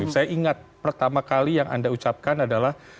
saya ingat pertama kali yang anda ucapkan adalah